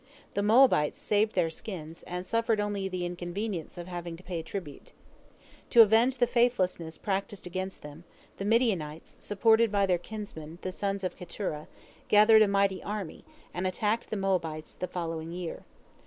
The Moabites saved their skins, and suffered only the inconvenience of having to pay tribute. To avenge the faithlessness practiced against them, the Midianites, supported by their kinsmen, the sons of Keturah, gathered a mighty army, and attacked the Moabites the following year.